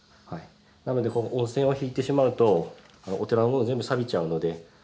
なので温泉を引いてしまうとお寺の方全部さびちゃうので。